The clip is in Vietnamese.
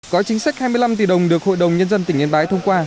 gói chính sách hai mươi năm tỷ đồng được hội đồng nhân dân tỉnh yên bái thông qua